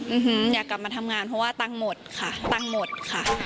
อยากกลับมาทำงานเพราะว่าตังค์หมดค่ะตังค์หมดค่ะ